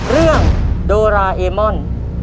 เรื่องโดราเอมอน